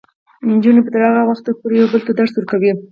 نجونې به تر هغه وخته پورې یو بل ته درس ورکوي.